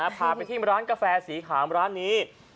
พาไปที่ร้านกาแฟสีขาวมร้านนี้